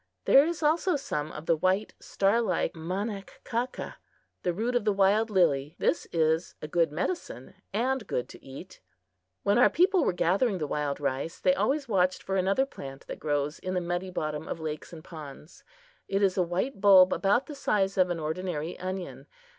There is also some of the white star like manakcahkcah, the root of the wild lily. This is a good medicine and good to eat. When our people were gathering the wild rice, they always watched for another plant that grows in the muddy bottom of lakes and ponds. It is a white bulb about the size of an ordinary onion.